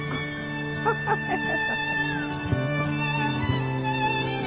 ハハハハ。